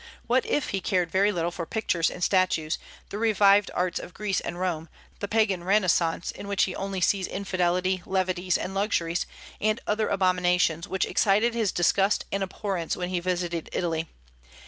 What if he cared very little for pictures and statues, the revived arts of Greece and Rome, the Pagan Renaissance in which he only sees infidelity, levities, and luxuries, and other abominations which excited his disgust and abhorrence when he visited Italy!